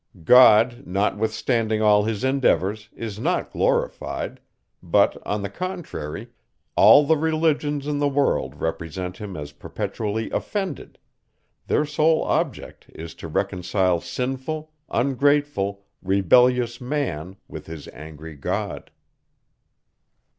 God, notwithstanding all his endeavours, is not glorified; but, on the contrary, all the religions in the world represent him as perpetually offended; their sole object is to reconcile sinful, ungrateful, rebellious man with his angry God.